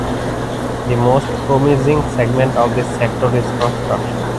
The most promising segment of this sector is construction.